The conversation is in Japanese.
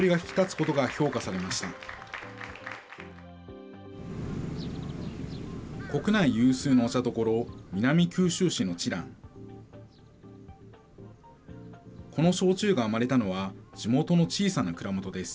この焼酎が生まれたのは、地元の小さな蔵元です。